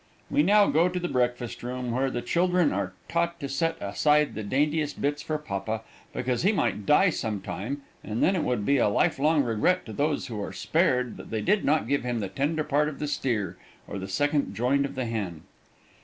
We now go to the breakfast room, where the children are taught to set aside the daintiest bits for papa, because he might die some time and then it would be a life long regret to those who are spared that they did not give him the tender part of the steer or the second joint of the hen.